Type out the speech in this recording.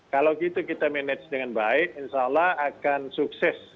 kalau gitu kita manage dengan baik insya allah akan sukses